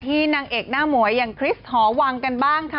นางเอกหน้าหมวยอย่างคริสตหอวังกันบ้างค่ะ